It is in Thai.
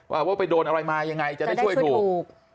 ว่าไปโดนอะไรมาอย่างไรจะได้ช่วยถูก